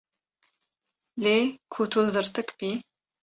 Lê ku tu zirtik bî.